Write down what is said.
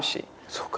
そうか。